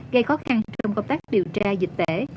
gây khó khăn trong công tác điều tra dịch tễ